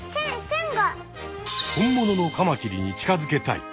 本物のカマキリに近づけたい。